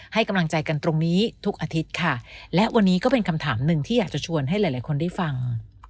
ให้กำลังใจกันตรงนี้ทุกอาทิตย์ค่ะและวันนี้ก็เป็นคำถามหนึ่งที่อยากจะชวนให้หลายหลายคนได้ฟัง